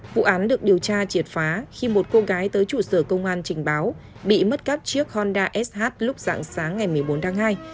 vụ án được điều tra triệt phá khi một cô gái tới trụ sở công an trình báo bị mất cắp chiếc honda sh lúc dạng sáng ngày một mươi bốn tháng hai